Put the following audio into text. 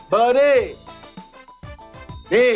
เบอร์ดี้นี่